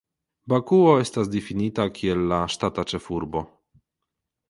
Bakuo estas difinita kiel la ŝtata ĉefurbo.